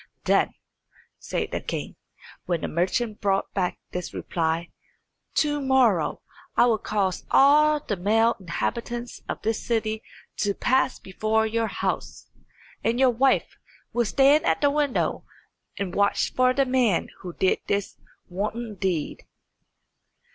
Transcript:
"Then," said the king, when the merchant brought back this reply, "to morrow I will cause all the male inhabitants of this city to pass before your house, and your wife will stand at the window and watch for the man who did this wanton deed."